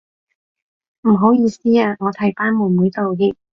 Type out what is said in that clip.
唔好意思啊，我替班妹妹道歉